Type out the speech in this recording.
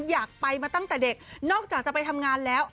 อยากไปมาตั้งแต่เด็กนอกจากจะไปทำงานแล้ว